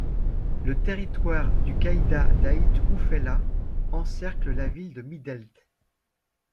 Le territoire du caïdat d'Aït Oufella encercle la ville de Midelt.